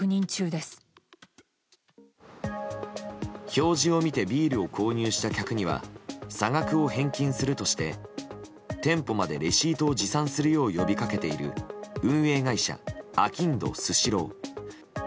表示を見てビールを購入した客には差額を返金するとして店舗までレシートを持参するよう呼びかけている運営会社あきんどスシロー。